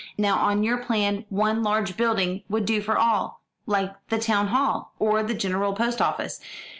Now on your plan one large building would do for all, like the town hall, or the general post office.